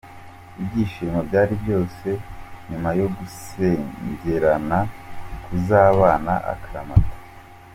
Ibyishimo byari byose nyuma yo gusezerana kuzabana akaramata.